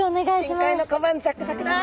深海の小判ザクザクだ！